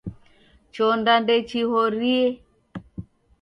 Chonda ndechihorie.